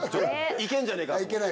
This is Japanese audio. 行けるんじゃねえか。